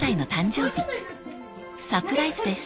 ［サプライズです］